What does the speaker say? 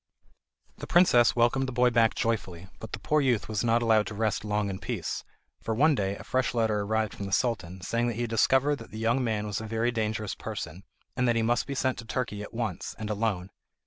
The princess welcomed the boy back joyfully, but the poor youth was not allowed to rest long in peace, for one day a fresh letter arrived from the Sultan, saying that he had discovered that the young man was a very dangerous person, and that he must be sent to Turkey at once, and alone.